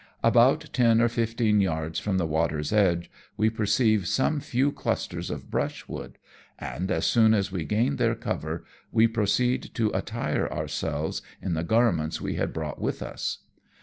About ten or fifteen yards from the water's edge we perceive some few clusters of brushwood, and as soon NEALANCE AND I VISIT THE SHOEE. 15 1 as we gain their cover we proceed to attire ourselves in the garments we had brought with us.